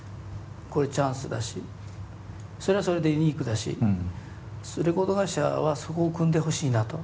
こういうチャンスだしそれはそれでユニークだしレコード会社はそこをくんでほしいなと。